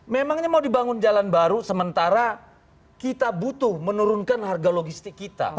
memangnya mau dibangun jalan baru sementara kita butuh menurunkan harga logistik kita